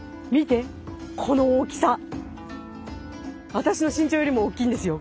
私の身長よりもおっきいんですよ